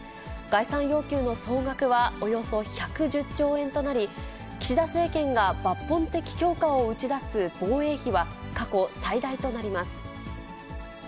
概算要求の総額はおよそ１１０兆円となり、岸田政権が抜本的強化を打ち出す防衛費は、過去最大となります。